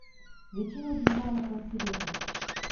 Většinou bývá na konci věty.